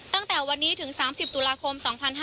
ตั้งแต่วันนี้ถึง๓๐ตุลาคม๒๕๕๙